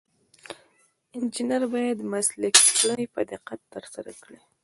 انجینر باید مسلکي کړنې په دقت ترسره کړي.